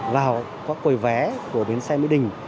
vào quầy vé của bến xe mỹ đình